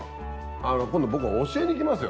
あの今度僕教えに来ますよ。